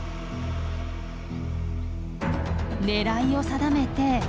狙いを定めて。